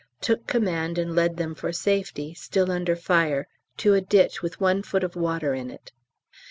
took command and led them for safety, still under fire, to a ditch with one foot of water in it.